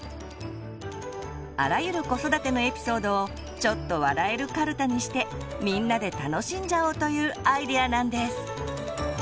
あらゆる子育てのエピソードをちょっと笑えるカルタにしてみんなで楽しんじゃおうというアイデアなんです。